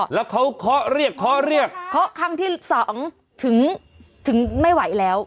แล้วเขาเคาะเรียกเคาะเรียกเคาะครั้งที่สองถึงไม่ไหวแล้ว